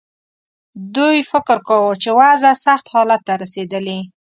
دوی فکر کاوه چې وضع سخت حالت ته رسېدلې.